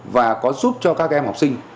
và có giúp cho các em học sinh